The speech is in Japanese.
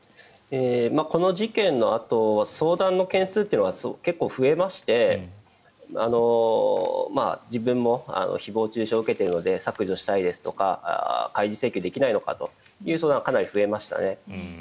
この事件のあとは相談の件数というのは結構増えまして、自分も誹謗・中傷を受けているので削除したいですとか開示請求できないのかという相談かなり増えましたね。